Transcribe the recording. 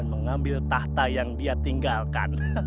kang jalu pasti suka